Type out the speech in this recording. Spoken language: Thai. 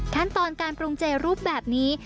ขั้นตอนการปรุงเจรูปแบบนี้